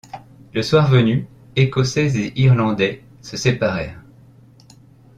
Le soir venu, Écossais et Irlandais se séparèrent.